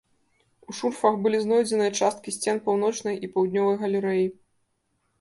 У шурфах былі знойдзеныя часткі сцен паўночнай і паўднёвай галерэі.